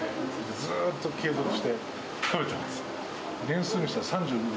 ずっと継続して食べてます。